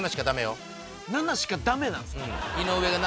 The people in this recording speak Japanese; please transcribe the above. ７しかダメなんすか？